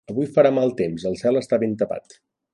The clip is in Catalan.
Avui farà mal temps, el cel està ben tapat.